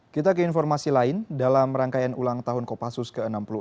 kita ke informasi lain dalam rangkaian ulang tahun kopassus ke enam puluh enam